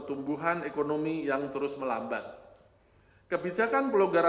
pemulihan ekonomi global diperkirakan lebih rendah dari proyeksi semula